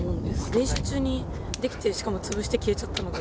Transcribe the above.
練習中にできてしかも潰して消えちゃったので・